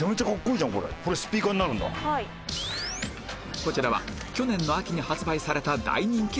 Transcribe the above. こちらは去年の秋に発売された大人気商品